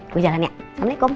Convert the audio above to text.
gue jalan ya assalamualaikum